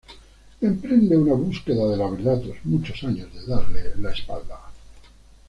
Emprende una búsqueda de la verdad tras muchos años de darle la espalda.